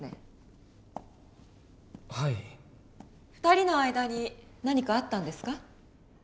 ２人の間に何かあったんですか？